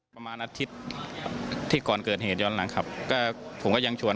ประมาณอาทิตย์ที่ก่อนเกิดเหตุย้อนหลังขับก็ผมก็ยังชวน